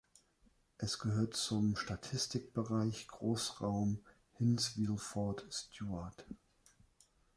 Es gehört zum Statistikbereich Großraum Hinesville-Fort Stewart.